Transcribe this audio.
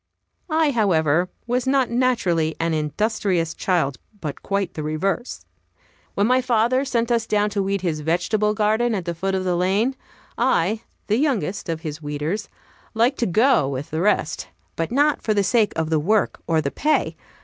I, however, was not naturally an industrious child, but quite the reverse. When my father sent us down to weed his vegetable garden at the foot of the lane, I, the youngest of his weeders, liked to go with the rest, but not for the sake of the work or the pay.